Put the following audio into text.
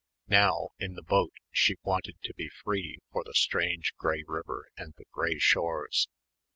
Now, in the boat she wanted to be free for the strange grey river and the grey shores.